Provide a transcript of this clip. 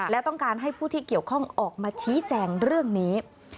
และต้องการให้ผู้ที่เกี่ยวข้องออกมาชี้แจงเรื่องนี้